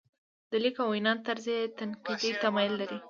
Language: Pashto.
د لیک او وینا طرز یې تنقیدي تمایل لري.